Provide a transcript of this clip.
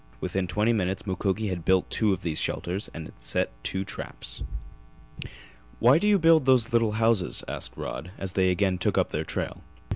Within twenty minutes Mukoki had built two of these shelters and had set two traps. "Why do you build those little houses?" asked Rod, as they again took up their trail.